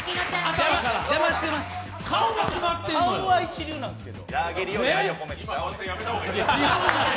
顔は一流なんですよ。